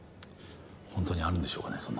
ホントにあるんでしょうかね？